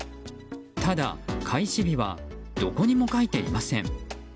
ただ、開始日はどこにも書いていません。